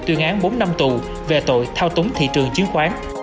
tuyên án bốn năm tù về tội thao túng thị trường chứng khoán